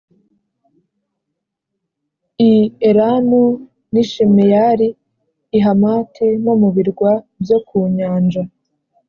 i Elamu, n’i Shimeyari, i Hamati no mu birwa byo ku nyanja.